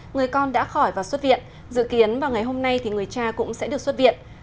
người con đã khỏi và xuất viện dự kiến vào ngày hôm nay thì người cha cũng sẽ được xuất viện